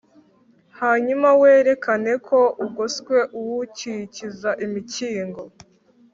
Hanyuma werekane ko ugoswe uwukikiza imikingo